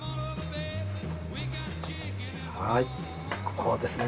はいこうですね。